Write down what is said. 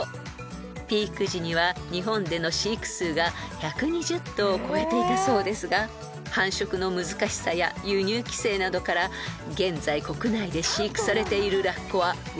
［ピーク時には日本での飼育数が１２０頭を超えていたそうですが繁殖の難しさや輸入規制などから現在国内で飼育されているラッコはわずか３頭に］